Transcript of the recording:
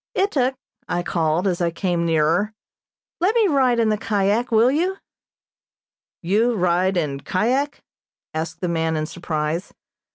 "Ituk," I called, as I came nearer, "let me ride in the kyak, will you?" "You ride in kyak?" asked the man in surprise.